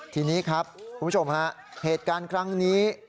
ทีนี้ครับคุณผู้ชมฮะเหตุการณ์ครั้งนี้